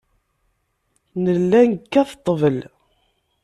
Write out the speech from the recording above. Nella nekkat ḍḍbel.